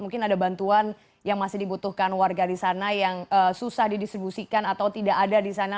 mungkin ada bantuan yang masih dibutuhkan warga di sana yang susah didistribusikan atau tidak ada di sana